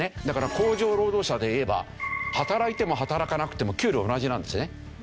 だから工場労働者でいえば働いても働かなくても給料同じなんですね。